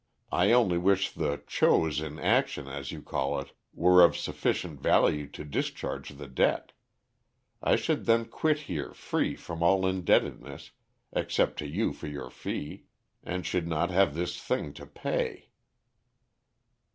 I only wish the chose in action, as you call it, were of sufficient value to discharge the debt. I should then quit here free from all indebtedness, except to you for your fee; and should not have this thing to pay.'